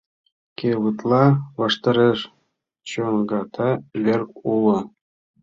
Кевытла ваштареш чоҥгата вер уло.